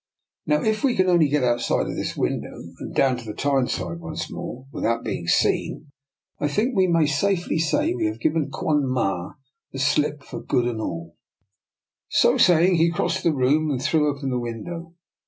Now, if only we can get out of this window and down to the Tyneside once more, without being seen, I think we may safely say we have given Quon Ma the slip for good and all." DR. NIKOLA'S EXPERIMENT. 143 So saying he crossed the room and threw open the window.